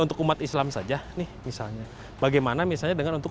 untuk umat islam saja nih misalnya bagaimana misalnya dengan untuk